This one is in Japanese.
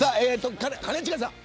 兼近さん